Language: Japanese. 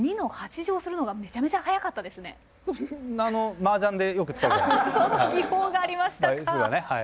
その技法がありましたか。